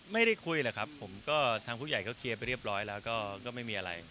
ไม่ได้คุยหรอกครับผมก็ทางผู้ใหญ่ก็เคลียร์ไปเรียบร้อยแล้วก็ไม่มีอะไร